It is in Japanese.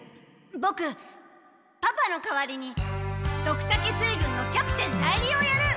ボクパパの代わりにドクタケ水軍のキャプテン代理をやる！